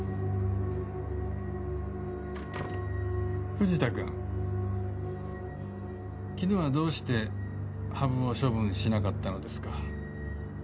藤田君昨日はどうして羽生を処分しなかったのですか？